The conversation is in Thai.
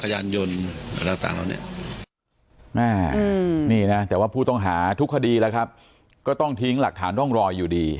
แม่นี่นะแต่ว่าผู้ต้องหาทุกคดีแล้วครับก็ต้องทิ้งหลักฐานร่องรอยอยู่ดี